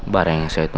baik bawa saya ke rumah